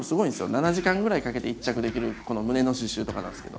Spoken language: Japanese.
７時間ぐらいかけて一着できるこの胸の刺しゅうとかなんですけど。